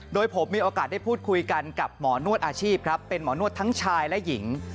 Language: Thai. โดยผมมีโอกาสได้พูดคุยกันกับหมอนวดอาชีพครับเป็นหมอนวดทั้งชายและหญิง